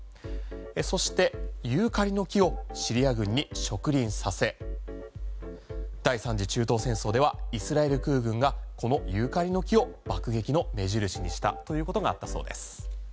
そしてユーカリの木をシリア軍に植林させ第３次中東戦争ではイスラエル空軍がこのユーカリの木を爆撃の目印にしたということがあったそうです。